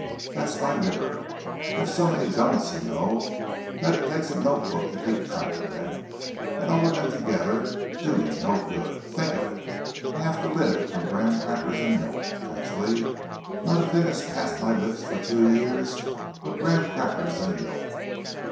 "That's my liver. I've so many don'ts, you know, that it takes a note book to keep track of them. And all of them together do me no good! Think of it—I have to live on graham crackers and milk—actually, not a thing has passed my lips for two years but graham crackers and milk."